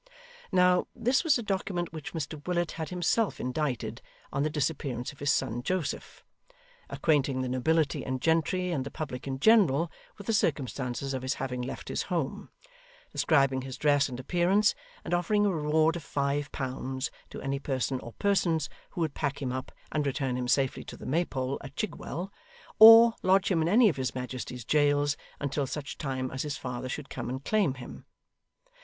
Now, this was a document which Mr Willet had himself indited on the disappearance of his son Joseph, acquainting the nobility and gentry and the public in general with the circumstances of his having left his home; describing his dress and appearance; and offering a reward of five pounds to any person or persons who would pack him up and return him safely to the Maypole at Chigwell, or lodge him in any of his Majesty's jails until such time as his father should come and claim him.